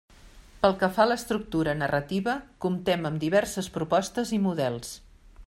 Pel que fa a l'estructura narrativa, comptem amb diverses propostes i models.